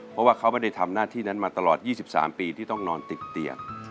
เพราะว่าเขาไม่ได้ทำหน้าที่นั้นมาตลอด๒๓ปีที่ต้องนอนติดเตียง